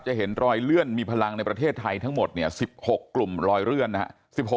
เห็นรอยเลื่อนมีพลังในประเทศไทยทั้งหมดเนี่ย๑๖กลุ่มรอยเลื่อนนะครับ